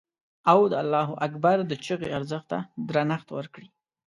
او د الله اکبر د چیغې ارزښت ته درنښت وکړي.